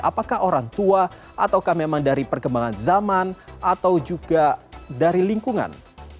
apakah orang tua ataukah memang dari perkembangan zaman atau juga dari lingkungan